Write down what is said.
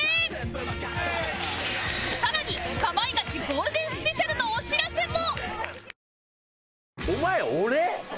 更に『かまいガチ』ゴールデンスペシャルのお知らせも